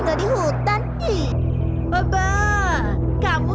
jangan bukan peduli di sana